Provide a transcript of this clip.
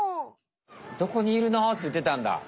「どこにいるのー？」っていってたんだ。